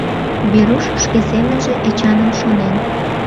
Веруш шке семынже Эчаным шонен.